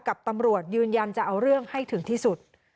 กับตำรวจยืนยันจะเอาเรื่องให้ถึงที่สุด